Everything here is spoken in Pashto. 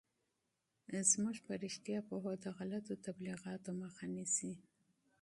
زموږ په رشتیا پوهه د غلطو تبلیغاتو مخه نیسي.